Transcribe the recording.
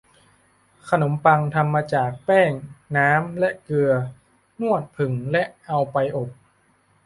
ขนมปังทำมาจาก แป้ง น้ำ และเกลือ นวด ผึ่ง และเอาไปอบ